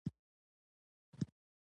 پوهه یې د نننۍ نړۍ له محدودې نه وي پراخ.